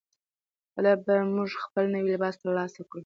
کله به موږ خپل نوی لباس ترلاسه کړو؟